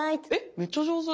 めっちゃ上手。